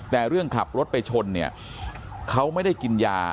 แต่เรื่องขับรถไปชนเนี่ยเขาไม่ได้กินยา